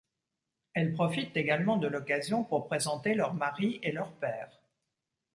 Elles profitent également de l'occasion pour présenter leurs maris et leurs pères.